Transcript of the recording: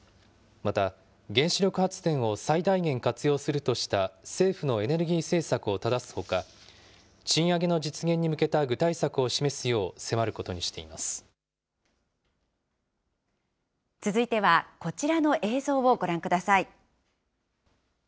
また、原子力発電を最大限活用するとした政府のエネルギー政策をただすほか、賃上げの実現に向けた具体策を示すよう迫ることにしていま続いてはこちらの映像をご覧ください。